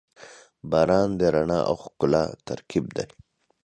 • باران د رڼا او ښکلا ترکیب دی.